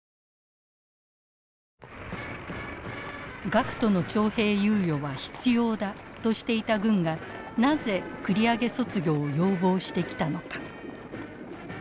学徒の徴兵猶予は必要だとしていた軍がなぜ繰り上げ卒業を要望してきたのか。